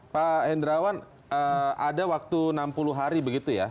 pak hendrawan ada waktu enam puluh hari begitu ya